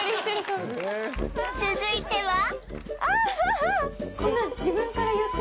続いては